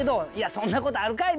そんな事あるかい！